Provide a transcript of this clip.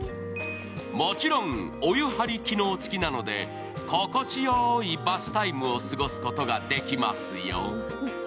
もちろん、お湯はり機能付きなので心地よいバスタイムを過ごすことができますよ。